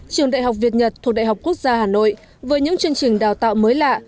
trường đại học việt nhật thuộc đại học quốc gia hà nội với những chương trình đào tạo mới lạ